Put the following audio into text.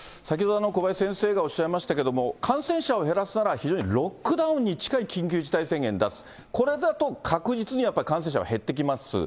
先ほど、小林先生がおっしゃいましたけども、感染者を減らすなら非常にロックダウンに近い緊急事態宣言出す、これだと確実にやっぱり感染者は減ってきます。